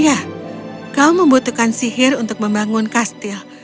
ya kau membutuhkan sihir untuk membangun kastil